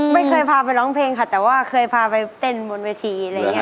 ไม่เคยพาไปร้องเพลงค่ะแต่ว่าเคยพาไปเต้นบนเวทีอะไรอย่างนี้